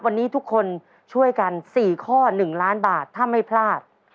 วันนี้ทุกคนช่วยกัน๔ข้อ๑ล้านบาทถ้าไม่พลาด